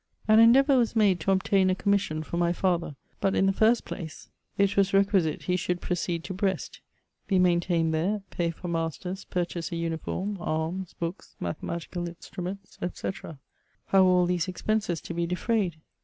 An endeavour was made to obtain a commission for my father ; but, in the first place, it was CHATEAUBRIAND. 4 9 requisite be should proceed to Brest, be maintaijied tbere, pay for masters, purchase a uniform, arms, books, mathematical instruments, &c. How were all these expenses to be defrayed?